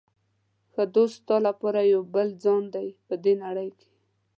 ښه دوست ستا لپاره یو بل ځان دی په دې نړۍ کې.